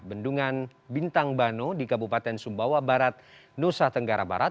bendungan bintang bano di kabupaten sumbawa barat nusa tenggara barat